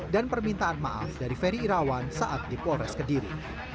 dan permintaan maaf dari ferry rawan saat dipolres ke diri